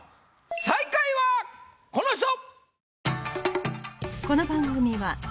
最下位はこの人！